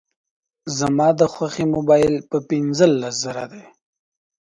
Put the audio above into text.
زما د خوښي موبایل په پینځلس زره دی